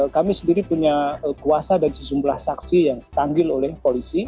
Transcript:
kami sendiri punya kuasa dan sejumlah saksi yang dipanggil oleh polisi